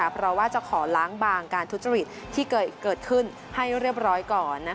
เพราะว่าจะขอล้างบางการทุจริตที่เกิดขึ้นให้เรียบร้อยก่อน